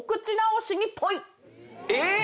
えっ！